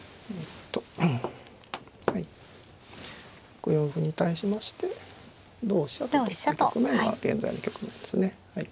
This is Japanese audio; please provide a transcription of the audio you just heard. ６四歩に対しまして同飛車と取った局面が現在の局面ですね。